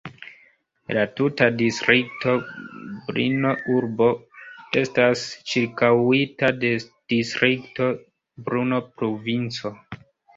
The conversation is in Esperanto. La tuta distrikto Brno-urbo estas ĉirkaŭita de distrikto Brno-provinco.